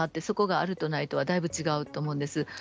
そこがあるとないとではだいぶ違うと思うんです。